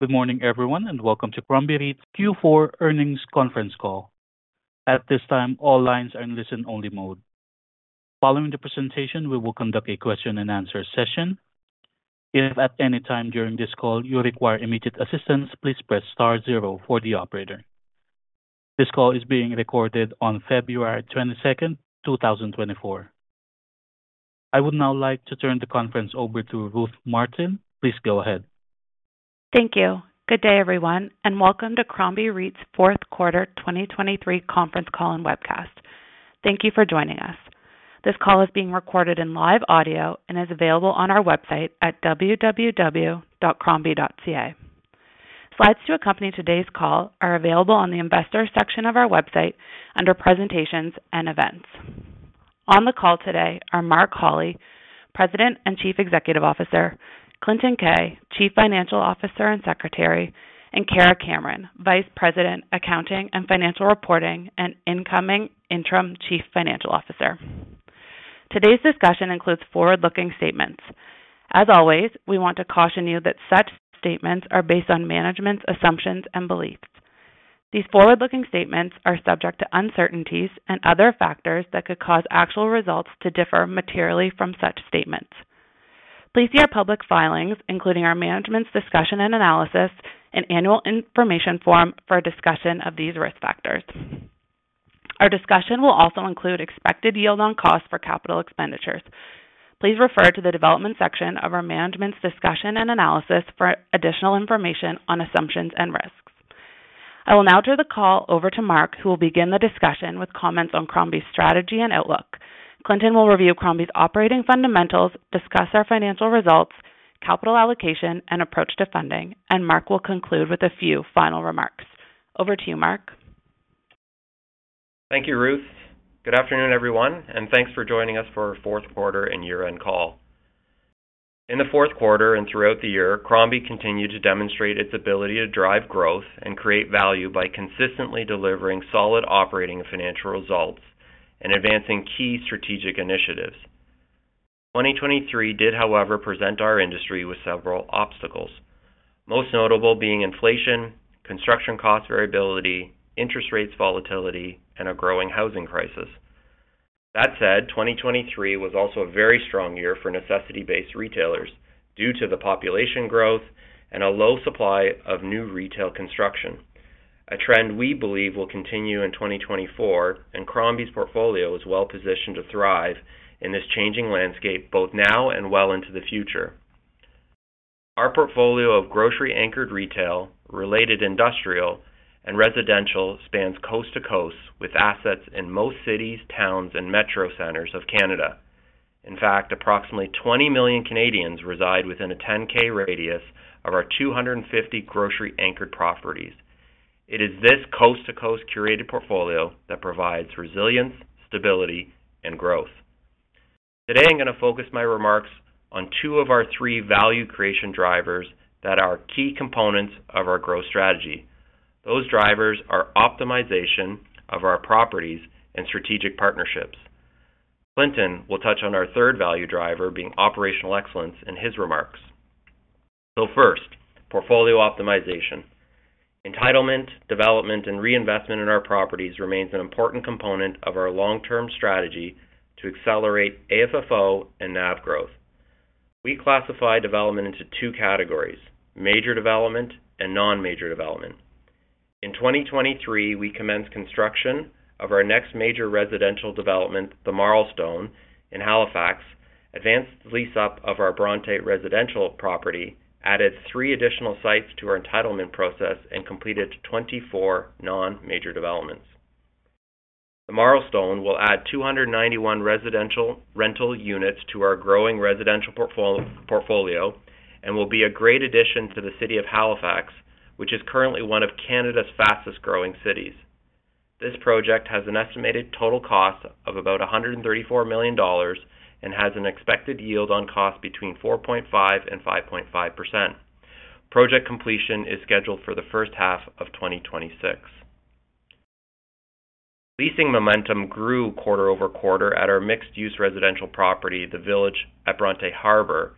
Good morning everyone and welcome to Crombie REIT's Q4 earnings conference call. At this time all lines are in listen-only mode. Following the presentation we will conduct a question-and-answer session. If at any time during this call you require immediate assistance please press star 0 for the operator. This call is being recorded on February 22nd, 2024. I would now like to turn the conference over to Ruth Martin, please go ahead. Thank you. Good day everyone and welcome to Crombie REIT's fourth quarter 2023 conference call and webcast. Thank you for joining us. This call is being recorded in live audio and is available on our website at www.crombie.ca. Slides to accompany today's call are available on the investor section of our website under presentations and events. On the call today are Mark Holly, President and Chief Executive Officer, Clinton Keay, Chief Financial Officer and Secretary, and Kara Cameron, Vice President, Accounting and Financial Reporting and incoming Interim Chief Financial Officer. Today's discussion includes forward-looking statements. As always we want to caution you that such statements are based on management's assumptions and beliefs. These forward-looking statements are subject to uncertainties and other factors that could cause actual results to differ materially from such statements. Please see our public filings including our management's discussion and analysis and annual information form for a discussion of these risk factors. Our discussion will also include expected yield on costs for capital expenditures. Please refer to the development section of our management's discussion and analysis for additional information on assumptions and risks. I will now turn the call over to Mark who will begin the discussion with comments on Crombie's strategy and outlook. Clinton will review Crombie's operating fundamentals, discuss our financial results, capital allocation, and approach to funding, and Mark will conclude with a few final remarks. Over to you, Mark. Thank you, Ruth. Good afternoon everyone and thanks for joining us for our fourth quarter and year-end call. In the fourth quarter and throughout the year Crombie continued to demonstrate its ability to drive growth and create value by consistently delivering solid operating and financial results and advancing key strategic initiatives. 2023 did however present our industry with several obstacles, most notable being inflation, construction cost variability, interest rates volatility, and a growing housing crisis. That said 2023 was also a very strong year for necessity-based retailers due to the population growth and a low supply of new retail construction, a trend we believe will continue in 2024 and Crombie's portfolio is well positioned to thrive in this changing landscape both now and well into the future. Our portfolio of grocery-anchored retail, related industrial, and residential spans coast to coast with assets in most cities, towns, and metro centers of Canada. In fact, approximately 20 million Canadians reside within a 10K radius of our 250 grocery-anchored properties. It is this coast to coast curated portfolio that provides resilience, stability, and growth. Today I'm going to focus my remarks on two of our three value creation drivers that are key components of our growth strategy. Those drivers are optimization of our properties and strategic partnerships. Clinton will touch on our third value driver being operational excellence in his remarks. So first, portfolio optimization. Entitlement, development, and reinvestment in our properties remains an important component of our long-term strategy to accelerate AFFO and NAV growth. We classify development into two categories: major development and non-major development. In 2023 we commenced construction of our next major residential development, The Marlstone, in Halifax, advanced the lease-up of our Bronte residential property, added three additional sites to our entitlement process, and completed 24 non-major developments. The Marlstone will add 291 residential rental units to our growing residential portfolio and will be a great addition to the city of Halifax which is currently one of Canada's fastest growing cities. This project has an estimated total cost of about $134 million and has an expected yield on cost between 4.5%-5.5%. Project completion is scheduled for the first half of 2026. Leasing momentum grew quarter-over-quarter at our mixed-use residential property, The Village at Bronte Harbour,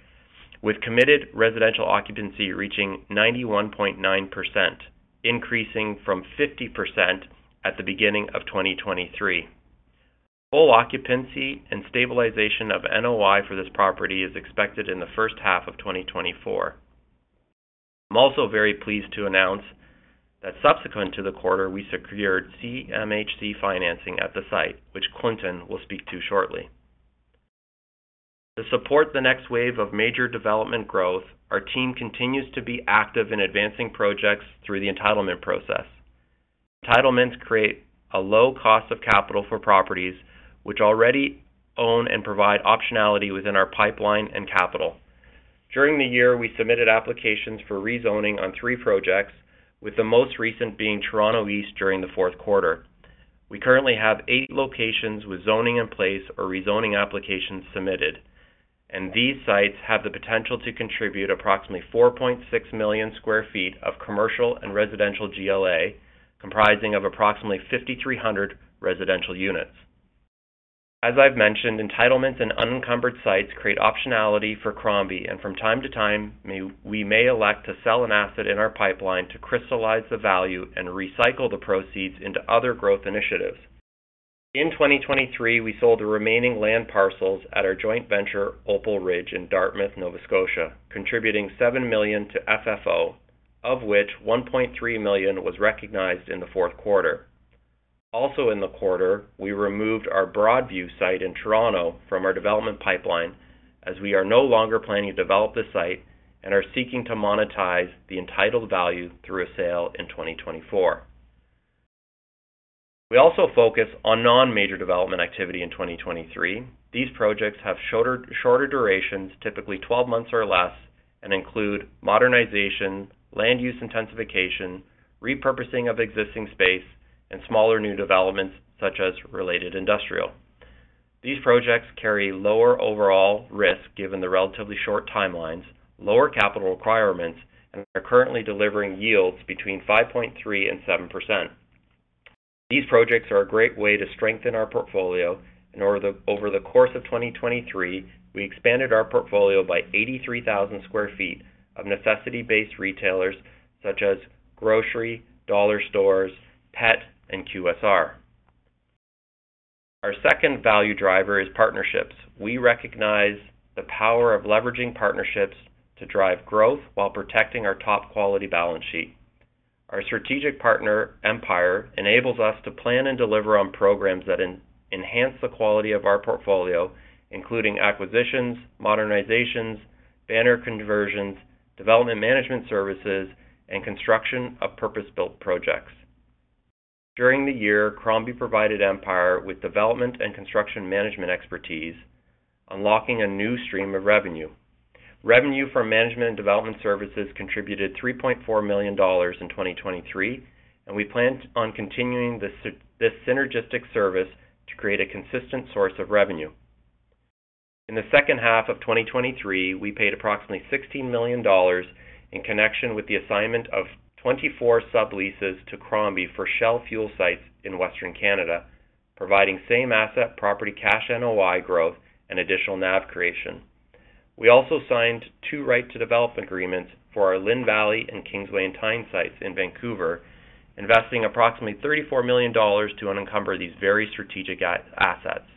with committed residential occupancy reaching 91.9%, increasing from 50% at the beginning of 2023. Full occupancy and stabilization of NOI for this property is expected in the first half of 2024. I'm also very pleased to announce that subsequent to the quarter we secured CMHC financing at the site, which Clinton will speak to shortly. To support the next wave of major development growth our team continues to be active in advancing projects through the entitlement process. Entitlements create a low cost of capital for properties which already own and provide optionality within our pipeline and capital. During the year we submitted applications for rezoning on three projects, with the most recent being Toronto East during the fourth quarter. We currently have eight locations with zoning in place or rezoning applications submitted, and these sites have the potential to contribute approximately 4.6 million sq ft of commercial and residential GLA comprising of approximately 5,300 residential units. As I've mentioned, entitlements and unencumbered sites create optionality for Crombie, and from time to time we may elect to sell an asset in our pipeline to crystallize the value and recycle the proceeds into other growth initiatives. In 2023 we sold the remaining land parcels at our joint venture Opal Ridge in Dartmouth, Nova Scotia, contributing 7 million to FFO, of which 1.3 million was recognized in the fourth quarter. Also in the quarter we removed our Broadview site in Toronto from our development pipeline as we are no longer planning to develop the site and are seeking to monetize the entitled value through a sale in 2024. We also focus on non-major development activity in 2023. These projects have shorter durations, typically 12 months or less, and include modernization, land use intensification, repurposing of existing space, and smaller new developments such as related industrial. These projects carry lower overall risk given the relatively short timelines, lower capital requirements, and are currently delivering yields between 5.3%-7%. These projects are a great way to strengthen our portfolio and over the course of 2023 we expanded our portfolio by 83,000 sq ft of necessity-based retailers such as grocery, dollar stores, PET, and QSR. Our second value driver is partnerships. We recognize the power of leveraging partnerships to drive growth while protecting our top quality balance sheet. Our strategic partner, Empire, enables us to plan and deliver on programs that enhance the quality of our portfolio, including acquisitions, modernizations, banner conversions, development management services, and construction of purpose-built projects. During the year Crombie provided Empire with development and construction management expertise, unlocking a new stream of revenue. Revenue from management and development services contributed $3.4 million in 2023, and we plan on continuing this synergistic service to create a consistent source of revenue. In the second half of 2023 we paid approximately $16 million in connection with the assignment of 24 subleases to Crombie for Shell fuel sites in Western Canada, providing same asset property cash NOI growth and additional NAV creation. We also signed two right-to-develop agreements for our Lynn Valley and Kingsway and Tyne sites in Vancouver, investing approximately $34 million to unencumber these very strategic assets.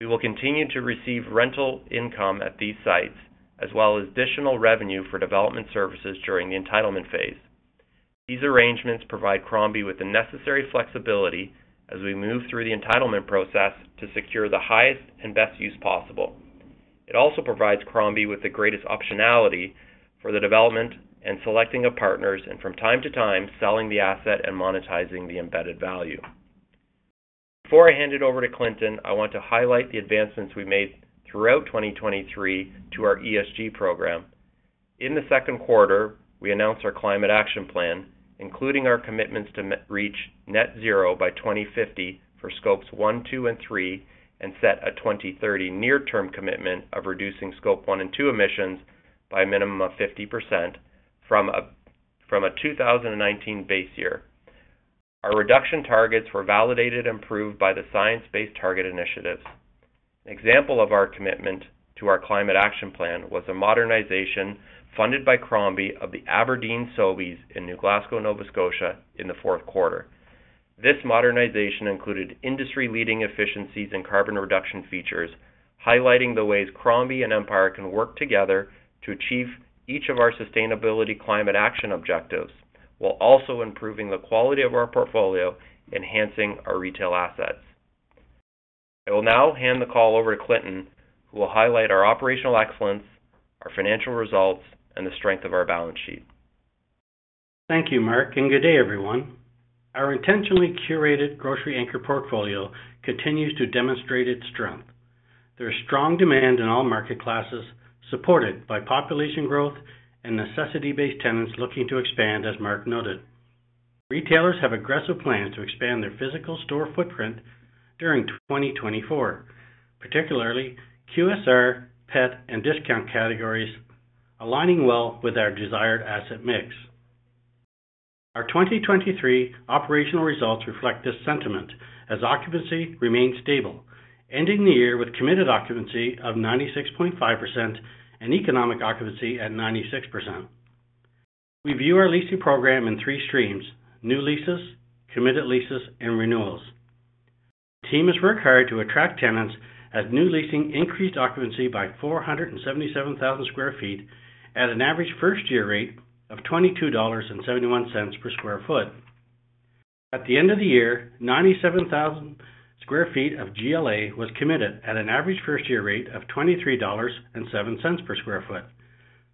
We will continue to receive rental income at these sites as well as additional revenue for development services during the entitlement phase. These arrangements provide Crombie with the necessary flexibility as we move through the entitlement process to secure the highest and best use possible. It also provides Crombie with the greatest optionality for the development and selecting of partners and from time to time selling the asset and monetizing the embedded value. Before I hand it over to Clinton I want to highlight the advancements we made throughout 2023 to our ESG program. In the second quarter we announced our climate action plan, including our commitments to reach Net Zero by 2050 for Scopes one, two, and three, and set a 2030 near-term commitment of reducing Scope one and two emissions by a minimum of 50% from a 2019 base year. Our reduction targets were validated and approved by the Science Based Targets initiative. An example of our commitment to our climate action plan was a modernization funded by Crombie of the Aberdeen Sobeys in New Glasgow, Nova Scotia, in the fourth quarter. This modernization included industry-leading efficiencies and carbon reduction features, highlighting the ways Crombie and Empire can work together to achieve each of our sustainability climate action objectives while also improving the quality of our portfolio and enhancing our retail assets. I will now hand the call over to Clinton who will highlight our operational excellence, our financial results, and the strength of our balance sheet. Thank you Mark and good day everyone. Our intentionally curated grocery-anchor portfolio continues to demonstrate its strength. There is strong demand in all market classes, supported by population growth and necessity-based tenants looking to expand as Mark noted. Retailers have aggressive plans to expand their physical store footprint during 2024, particularly QSR, PET, and discount categories aligning well with our desired asset mix. Our 2023 operational results reflect this sentiment as occupancy remains stable, ending the year with committed occupancy of 96.5% and economic occupancy at 96%. We view our leasing program in three streams: new leases, committed leases, and renewals. The team has worked hard to attract tenants as new leasing increased occupancy by 477,000 sq ft at an average first-year rate of $22.71 per sq ft. At the end of the year, 97,000 sq ft of GLA was committed at an average first-year rate of $23.07 per sq ft,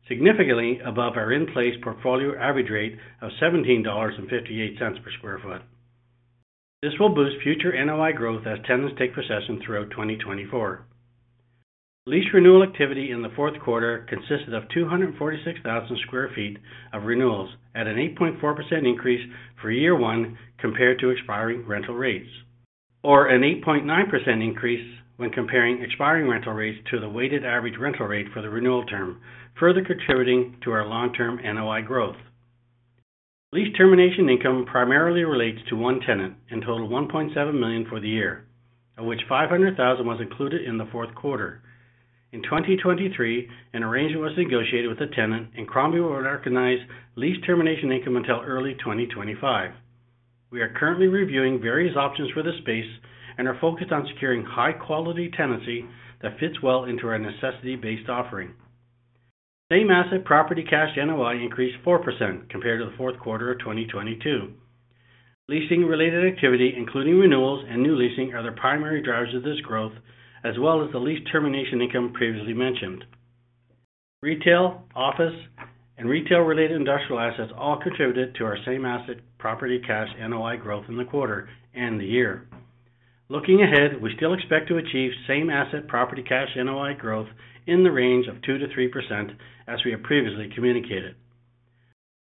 significantly above our in-place portfolio average rate of $17.58 per sq ft. This will boost future NOI growth as tenants take possession throughout 2024. Lease renewal activity in the fourth quarter consisted of 246,000 sq ft of renewals at an 8.4% increase for year one compared to expiring rental rates, or an 8.9% increase when comparing expiring rental rates to the weighted average rental rate for the renewal term, further contributing to our long-term NOI growth. Lease termination income primarily relates to one tenant in total 1.7 million for the year, of which 500,000 was included in the fourth quarter. In 2023, an arrangement was negotiated with a tenant and Crombie will recognize lease termination income until early 2025. We are currently reviewing various options for the space and are focused on securing high-quality tenancy that fits well into our necessity-based offering. Same asset property cash NOI increased 4% compared to the fourth quarter of 2022. Leasing-related activity including renewals and new leasing are the primary drivers of this growth as well as the lease termination income previously mentioned. Retail, office, and retail-related industrial assets all contributed to our same asset property cash NOI growth in the quarter and the year. Looking ahead we still expect to achieve same asset property cash NOI growth in the range of 2%-3% as we have previously communicated.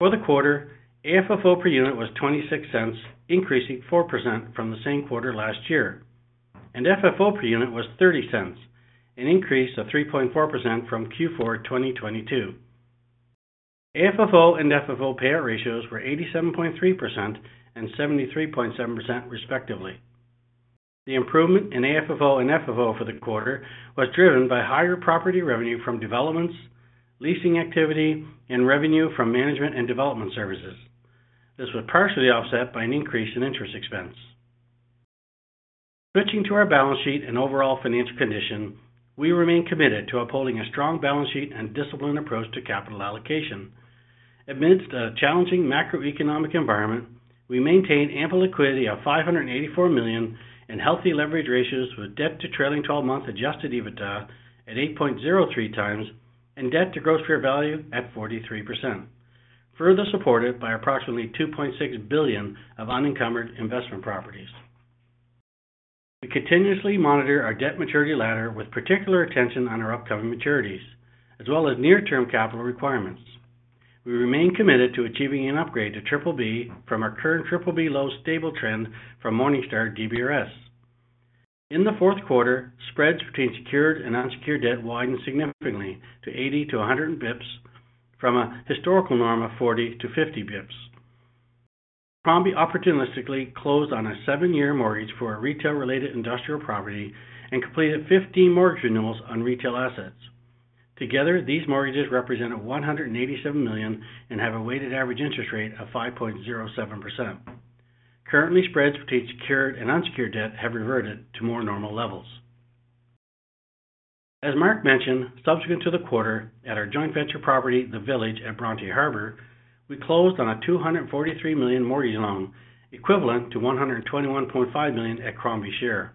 For the quarter AFFO per unit was 0.26, increasing 4% from the same quarter last year, and FFO per unit was 0.30, an increase of 3.4% from Q4 2022. AFFO and FFO payout ratios were 87.3% and 73.7% respectively. The improvement in AFFO and FFO for the quarter was driven by higher property revenue from developments, leasing activity, and revenue from management and development services. This was partially offset by an increase in interest expense. Switching to our balance sheet and overall financial condition, we remain committed to upholding a strong balance sheet and disciplined approach to capital allocation. Amidst a challenging macroeconomic environment, we maintain ample liquidity of 584 million and healthy leverage ratios with debt to trailing 12-month adjusted EBITDA at 8.03x and debt to gross fair value at 43%, further supported by approximately 2.6 billion of unencumbered investment properties. We continuously monitor our debt maturity ladder with particular attention on our upcoming maturities as well as near-term capital requirements. We remain committed to achieving an upgrade to BBB from our current BBB low stable trend from Morningstar DBRS. In the fourth quarter spreads between secured and unsecured debt widened significantly to 80-100 bps from a historical norm of 40-50 bps. Crombie opportunistically closed on a seven year mortgage for a retail-related industrial property and completed 15 mortgage renewals on retail assets. Together these mortgages represent 187 million and have a weighted average interest rate of 5.07%. Currently spreads between secured and unsecured debt have reverted to more normal levels. As Mark mentioned subsequent to the quarter at our joint venture property The Village at Bronte Harbour we closed on a 243 million mortgage loan equivalent to 121.5 million at Crombie share.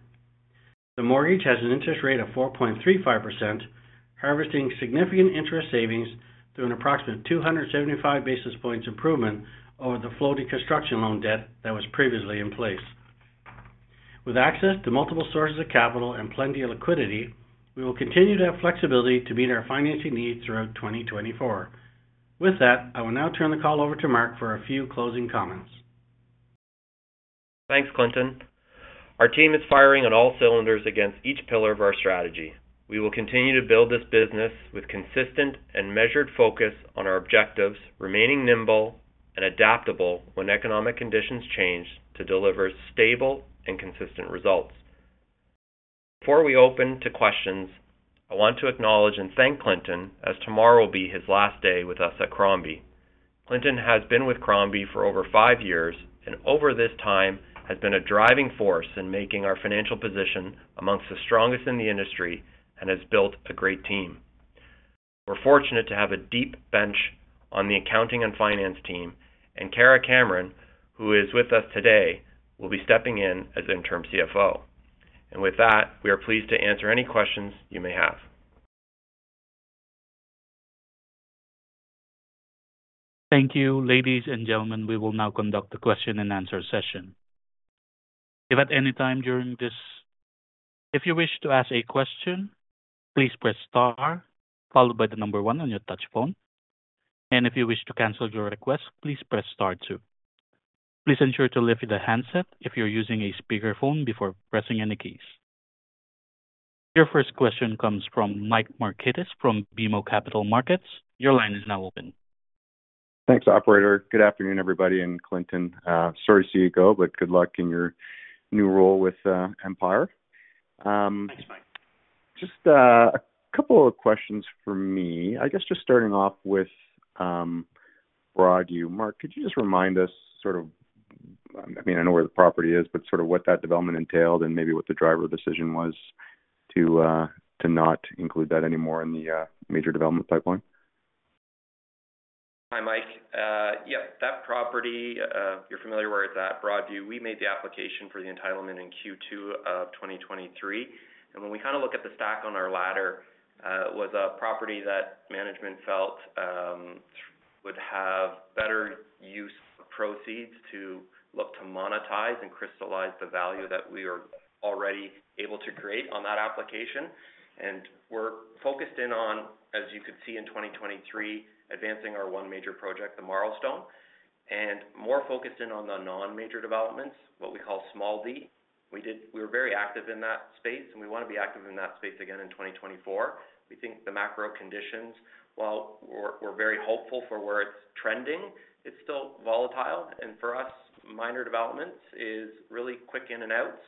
The mortgage has an interest rate of 4.35% harvesting significant interest savings through an approximate 275 basis points improvement over the floating construction loan debt that was previously in place. With access to multiple sources of capital and plenty of liquidity, we will continue to have flexibility to meet our financing needs throughout 2024. With that, I will now turn the call over to Mark for a few closing comments. Thanks Clinton. Our team is firing on all cylinders against each pillar of our strategy. We will continue to build this business with consistent and measured focus on our objectives, remaining nimble and adaptable when economic conditions change to deliver stable and consistent results. Before we open to questions I want to acknowledge and thank Clinton as tomorrow will be his last day with us at Crombie. Clinton has been with Crombie for over five years and over this time has been a driving force in making our financial position amongst the strongest in the industry and has built a great team. We're fortunate to have a deep bench on the accounting and finance team and Kara Cameron who is with us today will be stepping in as Interim CFO. With that we are pleased to answer any questions you may have. Thank you, ladies and gentlemen. We will now conduct the question-and-answer session. If at any time during this, if you wish to ask a question, please press star followed by the number one on your touch-tone phone, and if you wish to cancel your request, please press star two. Please ensure to lift the handset if you're using a speakerphone before pressing any keys. Your first question comes from Mike Markidis from BMO Capital Markets. Your line is now open. Thanks operator. Good afternoon everybody and Clinton. Sorry to see you go but good luck in your new role with Empire. Thanks Mike. Just a couple of questions for me. I guess just starting off with Broadview. Mark, could you just remind us sort of—I mean, I know where the property is, but sort of what that development entailed and maybe what the driver of decision was to not include that anymore in the major development pipeline? Hi Mike. Yep, that property you're familiar where it's at, Broadview. We made the application for the entitlement in Q2 of 2023, and when we kind of look at the stack on our ladder, it was a property that management felt would have better use of proceeds to look to monetize and crystallize the value that we are already able to create on that application. We're focused in on, as you could see in 2023, advancing our one major project, The Marlstone, and more focused in on the non-major developments, what we call small D. We were very active in that space, and we want to be active in that space again in 2024. We think the macro conditions, while we're very hopeful for where it's trending, it's still volatile, and for us minor developments is really quick in and outs.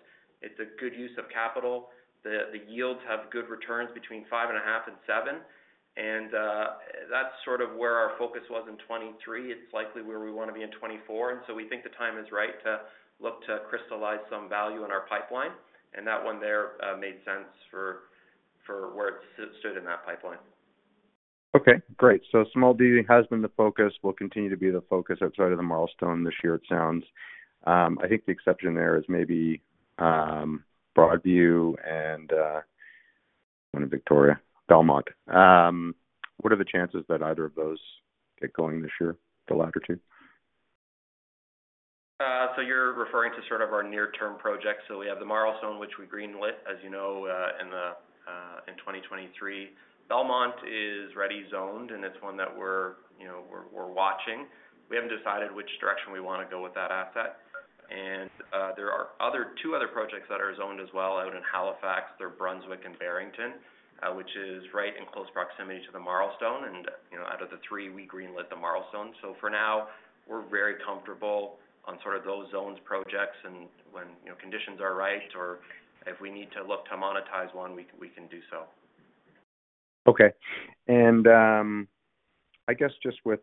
It's a good use of capital. The yields have good returns between 5.5 and 7 and that's sort of where our focus was in 2023. It's likely where we want to be in 2024 and so we think the time is right to look to crystallize some value in our pipeline and that one there made sense for where it stood in that pipeline. Okay, great. So small D has been the focus. Will continue to be the focus outside of the Marlstone this year, it sounds. I think the exception there is maybe Broadview and one in Victoria, Belmont. What are the chances that either of those get going this year, the latter two? So you're referring to sort of our near-term projects. So we have The Marlstone which we green lit as you know in 2023. Belmont is ready zoned and it's one that we're watching. We haven't decided which direction we want to go with that asset and there are two other projects that are zoned as well out in Halifax. They're Brunswick and Barrington which is right in close proximity to The Marlstone and out of the three we green lit The Marlstone. So for now we're very comfortable on sort of those zoned projects and when conditions are right or if we need to look to monetize one we can do so. Okay, and I guess just with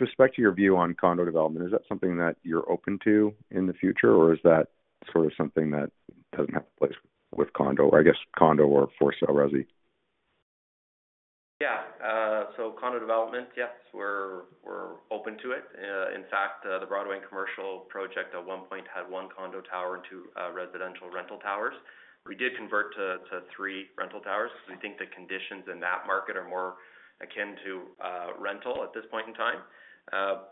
respect to your view on condo development—is that something that you're open to in the future, or is that sort of something that doesn't have a place with condo, or I guess condo or for sale resi? Yeah, so condo development—yes, we're open to it. In fact, the Broadway and Commercial project at one point had one condo tower and two residential rental towers. We did convert to three rental towers because we think the conditions in that market are more akin to rental at this point in time.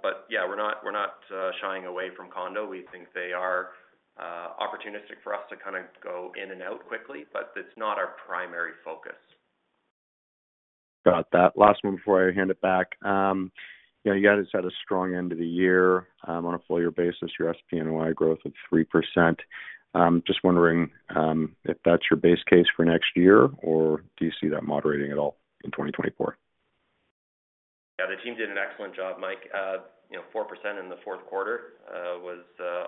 But yeah, we're not—we're not shying away from condo. We think they are opportunistic for us to kind of go in and out quickly, but it's not our primary focus. Got that. Last one before I hand it back. You guys had a strong end of the year on a full year basis. Your SPNOI growth of 3%. Just wondering if that's your base case for next year or do you see that moderating at all in 2024? Yeah, the team did an excellent job, Mike. 4% in the fourth quarter was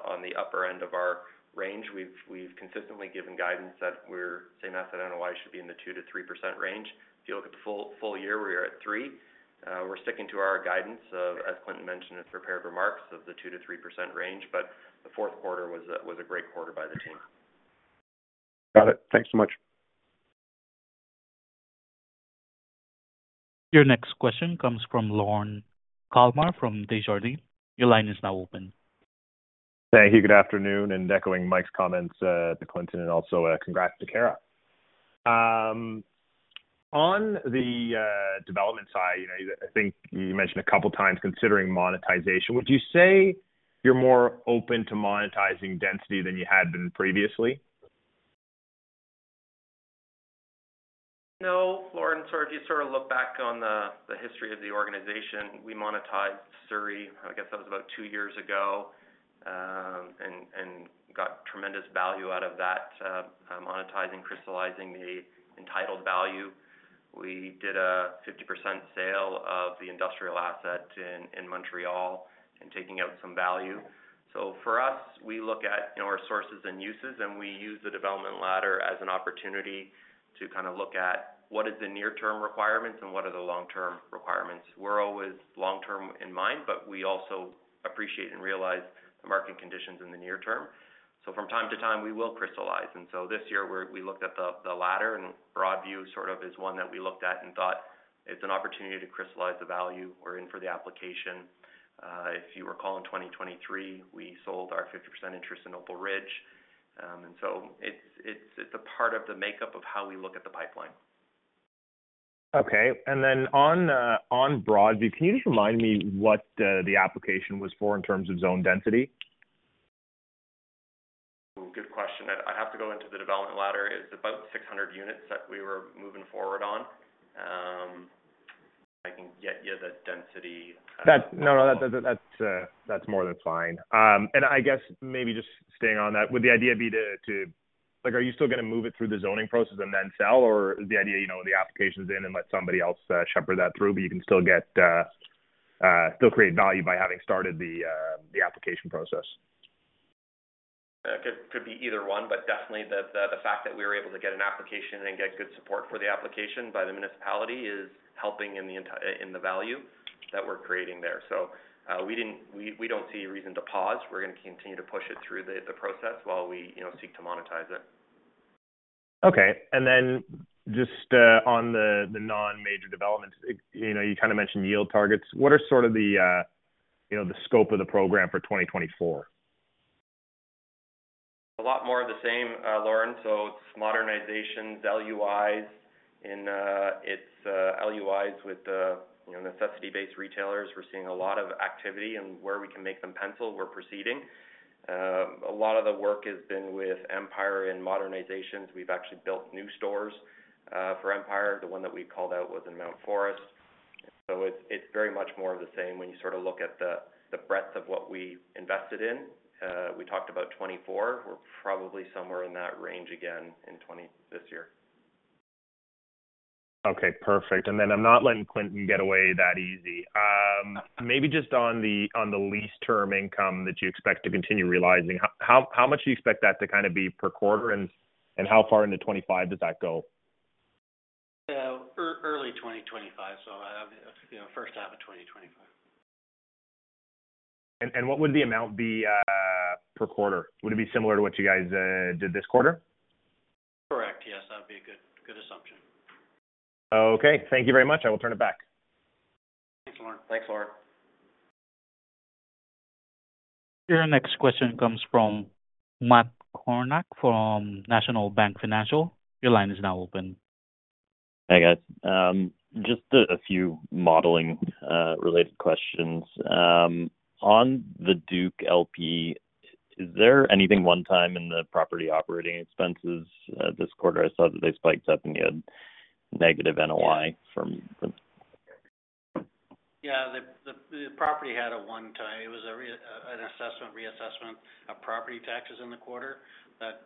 on the upper end of our range. We've consistently given guidance that our same asset NOI should be in the 2%-3% range. If you look at the full year, we were at 3%. We're sticking to our guidance of, as Clinton mentioned in his prepared remarks, the 2%-3% range, but the fourth quarter was a great quarter by the team. Got it. Thanks so much. Your next question comes from Lorne Kalmar from Desjardins. Your line is now open. Thank you. Good afternoon and echoing Mike's comments to Clinton and also congrats to Kara. On the development side I think you mentioned a couple times considering monetization. Would you say you're more open to monetizing density than you had been previously? No, Lorne, sort of, you sort of look back on the history of the organization. We monetized Surrey, I guess that was about two years ago, and got tremendous value out of that monetizing, crystallizing the entitled value. We did a 50% sale of the industrial asset in Montreal and taking out some value. So for us, we look at our sources and uses, and we use the development ladder as an opportunity to kind of look at what is the near-term requirements and what are the long-term requirements. We're always long-term in mind, but we also appreciate and realize the market conditions in the near term. So from time to time, we will crystallize. And so this year, we looked at the ladder, and Broadview sort of is one that we looked at and thought it's an opportunity to crystallize the value. We're in for the application. If you recall in 2023 we sold our 50% interest in Opal Ridge and so it's a part of the makeup of how we look at the pipeline. Okay and then on Broadview can you just remind me what the application was for in terms of zone density? Good question. I have to go into the development ladder. It was about 600 units that we were moving forward on. I can get you the density. That's no, no, that's more than fine. And I guess, maybe just staying on that, would the idea be to—are you still going to move it through the zoning process and then sell, or is the idea the application's in and let somebody else shepherd that through, but you can still get—still create value by having started the application process? It could be either one but definitely the fact that we were able to get an application and get good support for the application by the municipality is helping in the value that we're creating there. So we don't see reason to pause. We're going to continue to push it through the process while we seek to monetize it. Okay, and then just on the non-major developments you kind of mentioned yield targets. What are sort of the scope of the program for 2024? A lot more of the same, Lorne. So it's modernizations, LUIs, in it's LUIs with necessity-based retailers. We're seeing a lot of activity and where we can make them pencil we're proceeding. A lot of the work has been with Empire in modernizations. We've actually built new stores for Empire. The one that we called out was in Mount Forest. So it's very much more of the same. When you sort of look at the breadth of what we invested in we talked about 2024. We're probably somewhere in that range again in this year. Okay, perfect. And then I'm not letting Clinton get away that easy. Maybe just on the lease term income that you expect to continue realizing, how much do you expect that to kind of be per quarter and how far into 2025 does that go? Early 2025, so first half of 2025. What would the amount be per quarter? Would it be similar to what you guys did this quarter? Correct. Yes that'd be a good assumption. Okay, thank you very much. I will turn it back. Thanks Lauren. Thanks Lauren. Your next question comes from Matt Kornack from National Bank Financial. Your line is now open. Hi guys. Just a few modeling-related questions. On The Duke LP, is there anything one-time in the property operating expenses this quarter? I saw that they spiked up and you had negative NOI from. Yeah, the property had a one-time. It was an assessment reassessment of property taxes in the quarter that's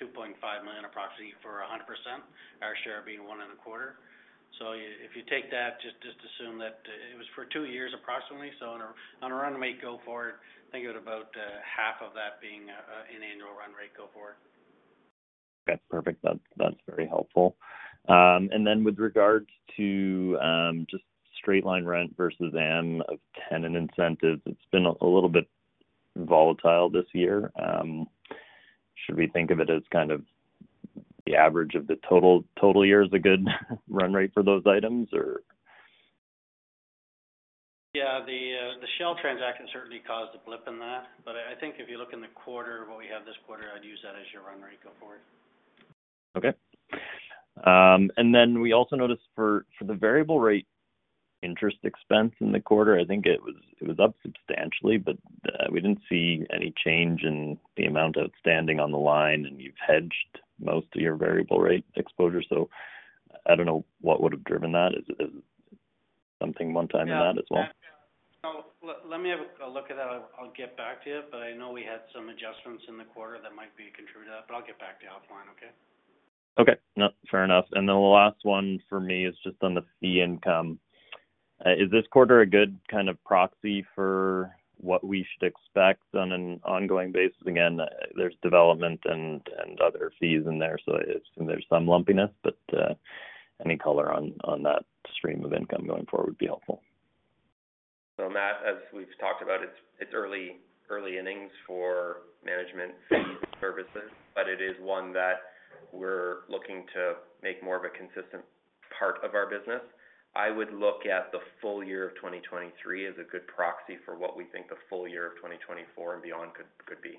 2.5 million approximately for 100%, our share being 1.25 million. So if you take that, just assume that it was for two years approximately. So on a run rate go forward, think of it about half of that being an annual run rate go forward. Okay, perfect. That's very helpful. Then with regards to just straight line rent versus amortization of tenant incentives, it's been a little bit volatile this year. Should we think of it as kind of the average of the total year is a good run rate for those items, or? Yeah, the Shell transaction certainly caused a blip in that, but I think if you look in the quarter what we have this quarter, I'd use that as your run rate go forward. Okay and then we also noticed for the variable rate interest expense in the quarter I think it was up substantially but we didn't see any change in the amount outstanding on the line and you've hedged most of your variable rate exposure so I don't know what would have driven that. Is it something one time in that as well? Yeah. Let me have a look at that. I'll get back to you but I know we had some adjustments in the quarter that might be a contributor to that but I'll get back to you offline okay? Okay, fair enough. And then the last one for me is just on the fee income. Is this quarter a good kind of proxy for what we should expect on an ongoing basis? Again, there's development and other fees in there, so I assume there's some lumpiness, but any color on that stream of income going forward would be helpful. So, Matt, as we've talked about, it's early innings for management fees services, but it is one that we're looking to make more of a consistent part of our business. I would look at the full year of 2023 as a good proxy for what we think the full year of 2024 and beyond could be.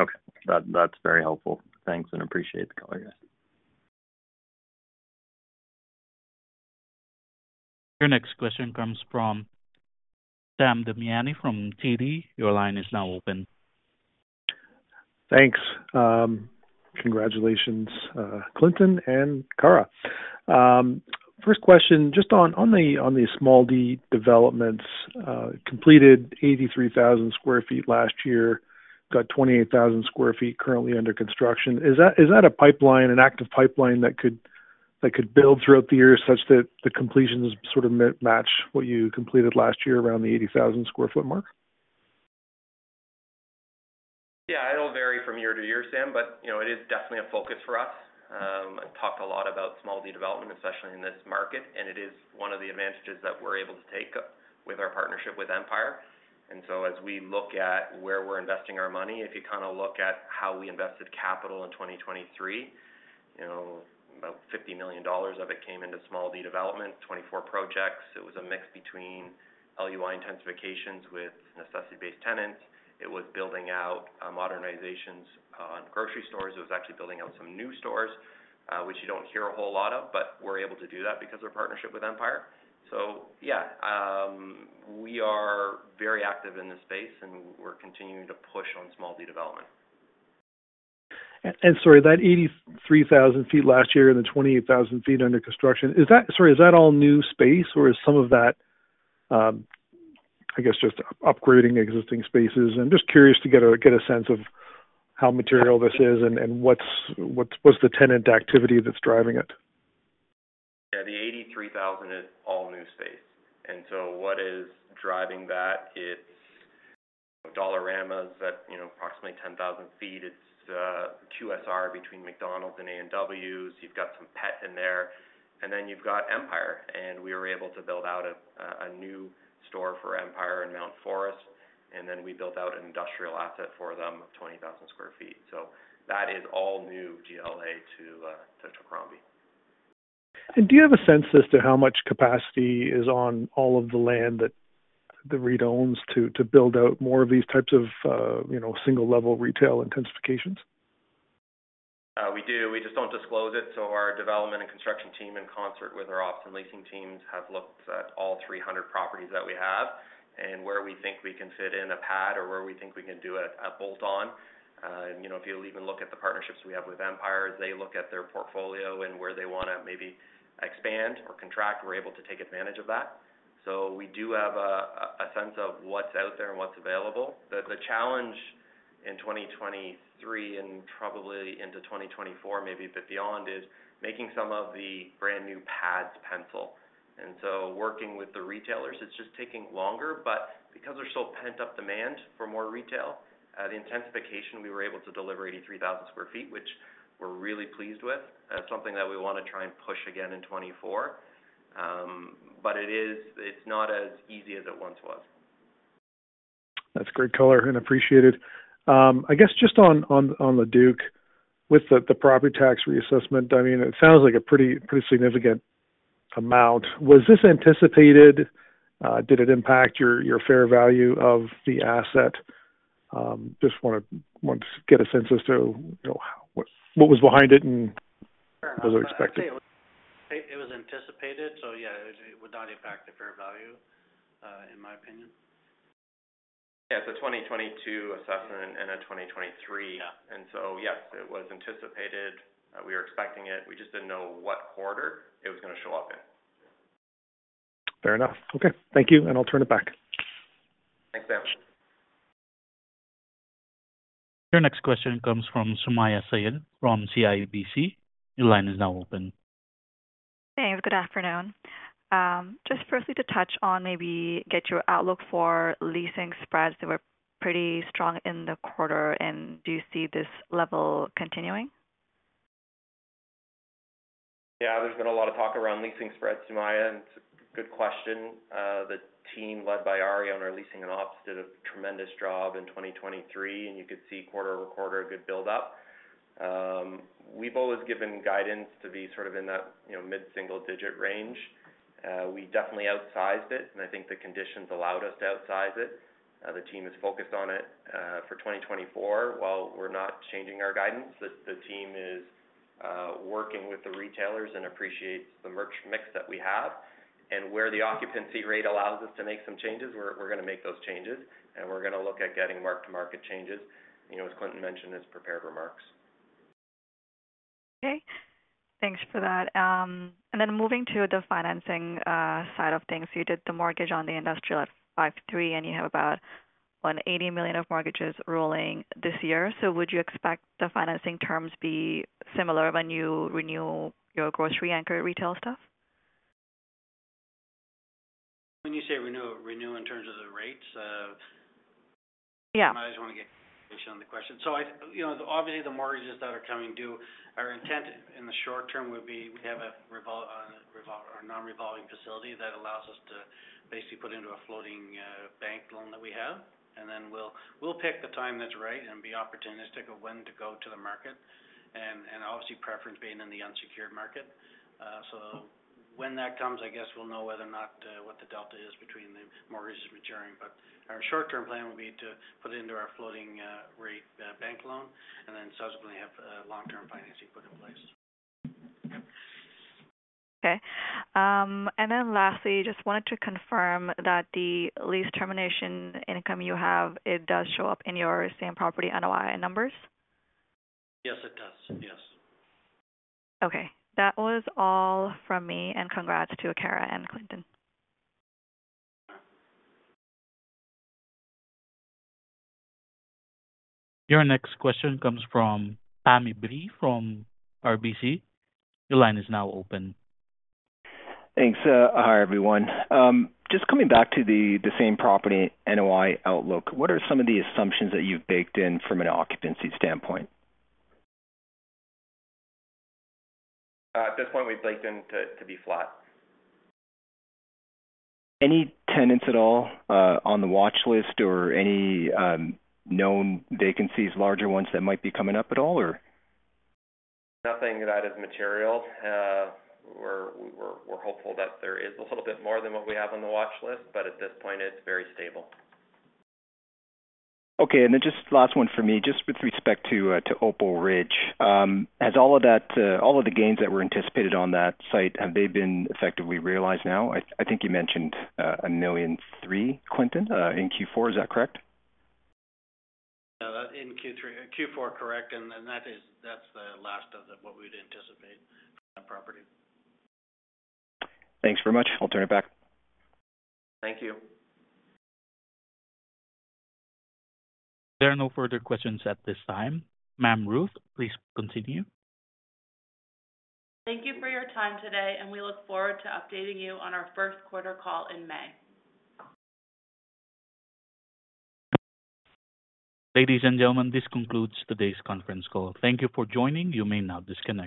Okay, that's very helpful. Thanks and appreciate the color, guys. Your next question comes from Sam Damiani from TD. Your line is now open. Thanks. Congratulations Clinton and Kara. First question just on the small D developments. Completed 83,000 sq ft last year. Got 28,000 sq ft currently under construction. Is that a pipeline, an active pipeline that could build throughout the year such that the completions sort of match what you completed last year around the 80,000 sq ft mark? Yeah, it'll vary from year to year, Sam, but it is definitely a focus for us. I've talked a lot about small D development especially in this market and it is one of the advantages that we're able to take with our partnership with Empire. And so as we look at where we're investing our money if you kind of look at how we invested capital in 2023 about $50 million of it came into small D development 24 projects. It was a mix between LUI intensifications with necessity-based tenants. It was building out modernizations on grocery stores. It was actually building out some new stores which you don't hear a whole lot of but we're able to do that because of our partnership with Empire. So yeah we are very active in this space and we're continuing to push on small D development. Sorry that 83,000 feet last year and the 28,000 ft under construction—is that, sorry, is that all new space or is some of that I guess just upgrading existing spaces? I'm just curious to get a sense of how material this is and what's the tenant activity that's driving it? Yeah, the 83,000 is all new space, and so what is driving that? It's Dollarama at approximately 10,000 sq ft. It's QSR between McDonald's and A&W. You've got some PET in there, and then you've got Empire, and we were able to build out a new store for Empire in Mount Forest, and then we built out an industrial asset for them of 20,000 sq ft. So that is all new GLA to Crombie. Do you have a sense as to how much capacity is on all of the land that the REIT owns to build out more of these types of single level retail intensifications? We do. We just don't disclose it. So our development and construction team in concert with our ops and leasing teams have looked at all 300 properties that we have and where we think we can fit in a pad or where we think we can do a bolt on. If you'll even look at the partnerships we have with Empire as they look at their portfolio and where they want to maybe expand or contract we're able to take advantage of that. So we do have a sense of what's out there and what's available. The challenge in 2023 and probably into 2024 maybe but beyond is making some of the brand new pads pencil. So, working with the retailers, it's just taking longer, but because there's still pent-up demand for more retail, the intensification we were able to deliver 83,000 sq ft, which we're really pleased with, is something that we want to try and push again in 2024, but it's not as easy as it once was. That's great color and appreciated. I guess just on the Duke with the property tax reassessment. I mean, it sounds like a pretty significant amount. Was this anticipated? Did it impact your fair value of the asset? Just want to get a sense as to what was behind it and was it expected? It was anticipated, so yeah, it would not impact the fair value in my opinion. Yeah, it's a 2022 assessment and a 2023, and so yes, it was anticipated. We were expecting it. We just didn't know what quarter it was going to show up in. Fair enough. Okay thank you and I'll turn it back. Thanks Sam. Your next question comes from Sumayya Syed from CIBC. Your line is now open. Thanks, good afternoon. Just firstly to touch on, maybe get your outlook for leasing spreads. They were pretty strong in the quarter, and do you see this level continuing? Yeah, there's been a lot of talk around leasing spreads, Sumayya, and it's a good question. The team led by Arie on our leasing and ops did a tremendous job in 2023, and you could see quarter-over-quarter a good build up. We've always given guidance to be sort of in that mid single digit range. We definitely outsized it, and I think the conditions allowed us to outsize it. The team is focused on it for 2024 while we're not changing our guidance. The team is working with the retailers and appreciates the merch mix that we have, and where the occupancy rate allows us to make some changes, we're going to make those changes, and we're going to look at getting marked-to-market changes as Clinton mentioned as prepared remarks. Okay, thanks for that. Then moving to the financing side of things, you did the mortgage on the industrial at 53 and you have about 180 million of mortgages rolling this year. So would you expect the financing terms be similar when you renew your grocery anchor retail stuff? When you say renew in terms of the rates, I just want to get to the question. So obviously the mortgages that are coming due, our intent in the short term would be we have a revolver, a revolving or non-revolving facility that allows us to basically put into a floating bank loan that we have and then we'll pick the time that's right and be opportunistic of when to go to the market and obviously preference being in the unsecured market. So when that comes, I guess we'll know whether or not what the delta is between the mortgages maturing but our short-term plan will be to put into our floating rate bank loan and then subsequently have long-term financing put in place. Okay, and then lastly, just wanted to confirm that the lease termination income you have, it does show up in your same property NOI numbers? Yes it does. Yes. Okay that was all from me and congrats to Kara and Clinton. Your next question comes from Pammi Bir from RBC. Your line is now open. Thanks. Hi everyone. Just coming back to the same property NOI outlook, what are some of the assumptions that you've baked in from an occupancy standpoint? At this point we've baked in to be flat. Any tenants at all on the watch list or any known vacancies larger ones that might be coming up at all or? Nothing that is material. We're hopeful that there is a little bit more than what we have on the watch list but at this point it's very stable. Okay, and then just last one for me, just with respect to Opal Ridge, has all of that, all of the gains that were anticipated on that site, have they been effectively realized now? I think you mentioned 1.3 million, Clinton, in Q4. Is that correct? Yeah, that in Q4, correct, and that's the last of what we'd anticipate from that property. Thanks very much. I'll turn it back. Thank you. There are no further questions at this time. Ma'am, Ruth, please continue. Thank you for your time today and we look forward to updating you on our first quarter call in May. Ladies and gentlemen, this concludes today's conference call. Thank you for joining. You may now disconnect.